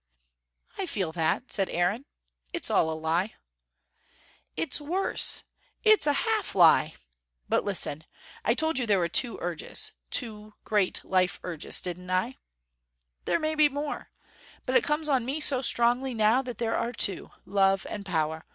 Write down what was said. "I feel that," said Aaron. "It's all a lie." "It's worse. It's a half lie. But listen. I told you there were two urges two great life urges, didn't I? There may be more. But it comes on me so strongly, now, that there are two: love, and power.